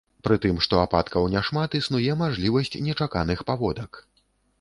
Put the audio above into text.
Пры тым што ападкаў няшмат, існуе мажлівасць нечаканых паводак.